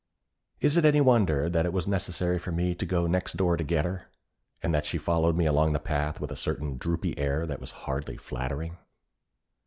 Is it any wonder that it was necessary for me to go next door to get her, and that she followed me along the path with a certain droopy air that was hardly flattering?